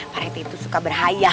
pak rete itu suka berhayang